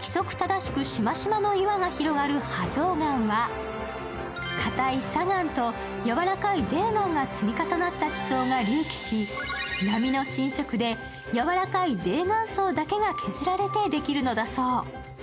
規則正しくシマシマの岩が広がる波状岩は堅い砂岩とやわらかい泥岩が積み重なった地層が隆起し、波の浸食でやわらかい泥岩層だけが削られてできるのだそう。